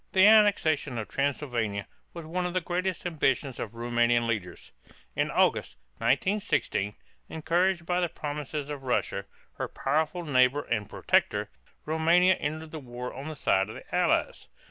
The annexation of Transylvania was one of the greatest ambitions of Roumanian leaders. In August, 1916, encouraged by the promises of Russia, her powerful neighbor and protector, Roumania entered the war on the side of the Allies.